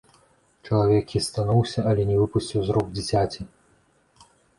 Чалавек хістануўся, але не выпусціў з рук дзіцяці.